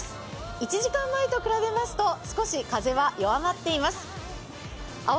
１時間前と比べますと、少し風は弱まっています。